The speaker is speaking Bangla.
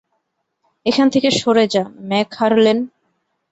এখান থেকে সরে যা ম্যাকহারলেন।